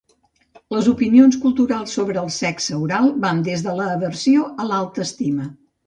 Les opinions culturals sobre el sexe oral van des de l'aversió a l'alta estima.